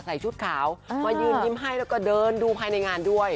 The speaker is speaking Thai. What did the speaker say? ชุดขาวมายืนยิ้มให้แล้วก็เดินดูภายในงานด้วย